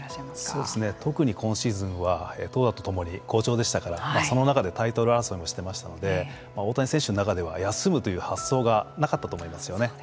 特に今シーズンは投打ともに好調でしたからその中でタイトル争いもしてましたので大谷選手の中では休むという発想がなかったと思いますよね。